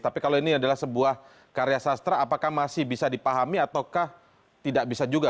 tapi kalau ini adalah sebuah karya sastra apakah masih bisa dipahami ataukah tidak bisa juga